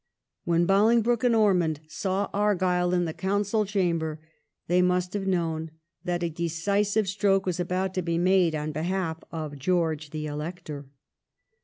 When Bolingbroke and Ormond saw Argyle in the Council chamber they must have known that a decisive stroke was about to be made on behalf of George the Elector.